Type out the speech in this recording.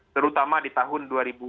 terutama di tahun dua ribu tujuh belas